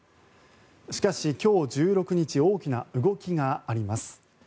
しかし、今日１６日大きな動きがあります。